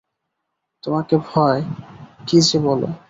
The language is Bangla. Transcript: তোমাকে ভয়, কী যে বল।